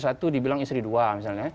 satu dibilang istri dua misalnya